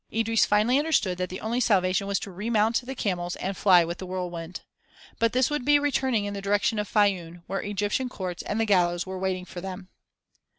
Idris finally understood that the only salvation was to remount the camels and fly with the whirlwind. But this would be returning in the direction of Fayûm, where Egyptian Courts and the gallows were waiting for them.